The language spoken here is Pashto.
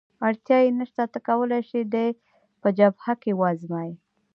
اړتیا یې نشته، ته کولای شې دی په جبهه کې وآزموېې.